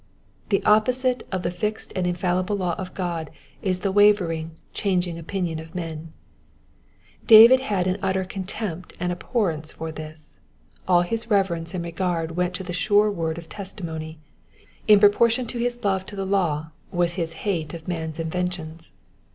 The opposite of the fixed and infallible law of God is the wavering, changing opinion of men : David had an utter contempt and abhorrence for this ; all his reverence and regard went to the sure word of testimony. In proportion to his love to the law was his hate of man's inventions.